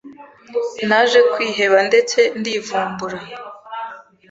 naje kwiheba ndetse ndivumbura